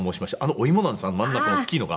お芋なんですあの真ん中の大きいのが。